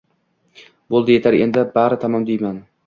Bo’ldi yetar endi bari tamom demay